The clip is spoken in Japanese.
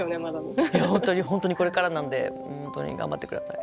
いや本当に本当にこれからなんで本当に頑張って下さい。